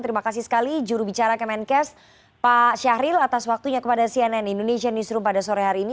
terima kasih sekali jurubicara kemenkes pak syahril atas waktunya kepada cnn indonesia newsroom pada sore hari ini